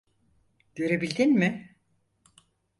Görebildin mi?